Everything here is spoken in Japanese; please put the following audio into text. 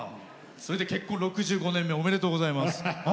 それで結婚６５年目おめでとうございます。